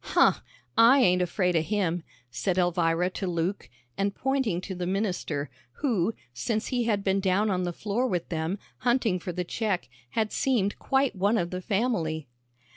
"Huh, I ain't afraid o' him," said Elvira to Luke, and pointing to the minister, who since he had been down on the floor with them, hunting for the check, had seemed quite one of the family.